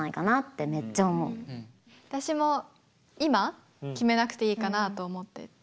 私も今決めなくていいかなと思ってる。